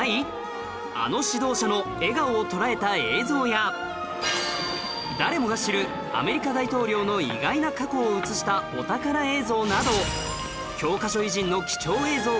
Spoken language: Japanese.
あの指導者の笑顔を捉えた映像や誰もが知るアメリカ大統領の意外な過去を映したお宝映像など